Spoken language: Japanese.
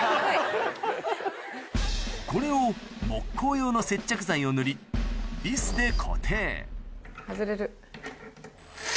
これを木工用の接着剤を塗りビスで固定